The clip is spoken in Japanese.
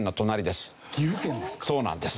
そうなんです。